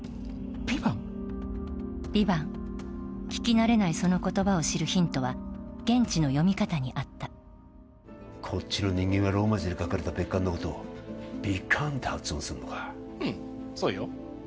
ヴィヴァン聞き慣れないその言葉を知るヒントは現地の読み方にあったこっちの人間はローマ字で書かれた別館のことをヴィカァンって発音するのかうんそうよ